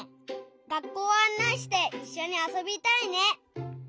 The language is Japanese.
学校をあんないしていっしょにあそびたいね！